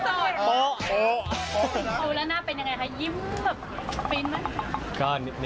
ดูแล้วหน้าเป็นยังไงคะยิ้มแบบฟินไหมคะ